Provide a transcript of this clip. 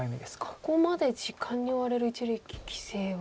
ここまで時間に追われる一力棋聖は。